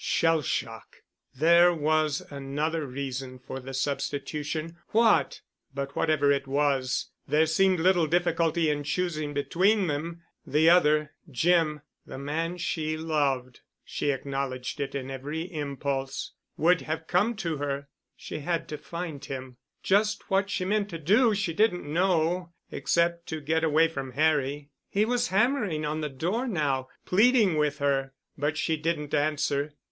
Shell shock! There was another reason for the substitution. What? But whatever it was, there seemed little difficulty in choosing between them. The other—Jim—the man she loved ... she acknowledged it in every impulse ... would have come to her. She had to find him. Just what she meant to do she didn't know, except to get away from Harry. He was hammering on the door now—pleading with her. But she didn't answer.